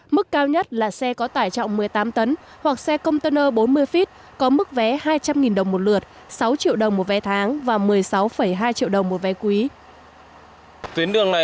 mức cao nhất là xe có tải trọng một mươi tám tấn hoặc xe container bốn mươi feet có mức vé hai trăm linh đồng một lượt sáu triệu đồng một vé tháng và một mươi sáu hai triệu đồng một vé quý